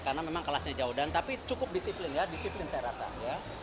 karena memang kelasnya jauh tapi cukup disiplin saya rasa